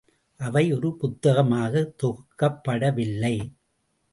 அவை ஒரு புத்தகமாகத் தொகுக்கப் படவில்லை.